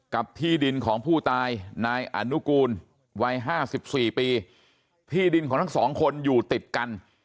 กับที่ดินของผู้ตายนายอนุกูลวัย๕๔ปีที่ดินของทั้ง๒คนอยู่ติดกัน